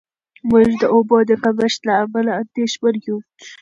موږ د اوبو د کمښت له امله اندېښمن یو.